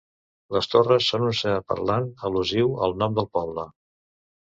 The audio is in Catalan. Les torres són un senyal parlant al·lusiu al nom del poble.